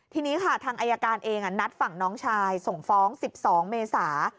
ทีนี้ค่ะทางอายการเองนัดฝั่งน้องชายส่งฟ้อง๑๒เมษา